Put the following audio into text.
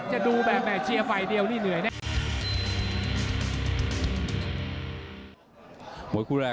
จะดูแบบแผมงชีอาร์ไฟเดียวนี่เหนื่อยแน่